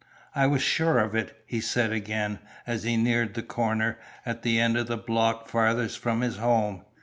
"I was sure of it," he said again, as he neared the corner, at the end of the block farthest from his home.